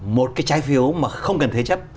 một cái trái phiếu mà không cần thế chấp